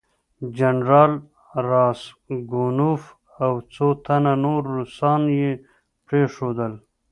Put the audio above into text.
جنرال راسګونوف او څو تنه نور روسان یې پرېښودل.